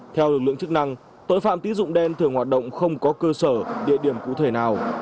theo lực lượng chức năng tội phạm tín dụng đen thường hoạt động không có cơ sở địa điểm cụ thể nào